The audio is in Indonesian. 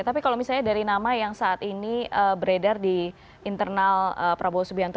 tapi kalau misalnya dari nama yang saat ini beredar di internal prabowo subianto